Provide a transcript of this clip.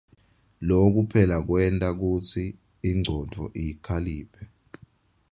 Loku phela kwenta kutsi ingcondvo ikhaliphe.